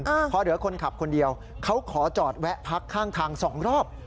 พอเหลือคนขับคนเดียวเขาขอจอดแวะพักข้างทางสองรอบ